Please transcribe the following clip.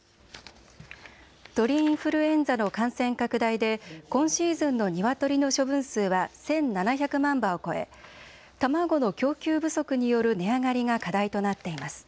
鳥インフルエンザの感染拡大で、今シーズンのニワトリの処分数は１７００万羽を超え、卵の供給不足による値上がりが課題となっています。